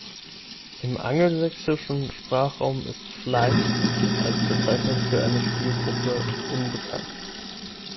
Im Angelsächsischen Sprachraum ist "Flight" als Bezeichnung für eine Spielgruppe unbekannt.